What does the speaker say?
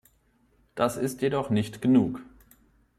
Das ist jedoch nicht genug.